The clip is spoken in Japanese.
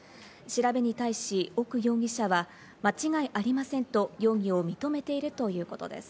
調べに対し奥容疑者は間違いありませんと容疑を認めているということです。